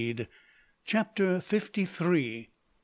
CHAPTER FIFTY THREE.